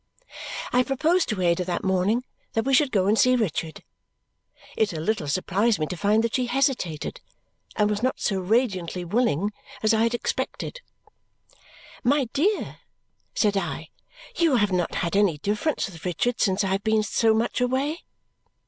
I proposed to Ada that morning that we should go and see Richard. It a little surprised me to find that she hesitated and was not so radiantly willing as I had expected. "My dear," said I, "you have not had any difference with Richard since I have been so much away?"